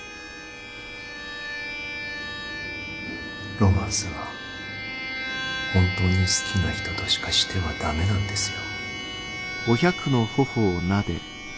ロマンスは本当に好きな人としかしては駄目なんですよ。